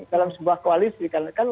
dalam sebuah koalisi karena kan